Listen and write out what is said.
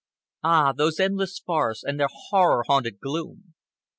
Ah, those endless forests, and their horror haunted gloom!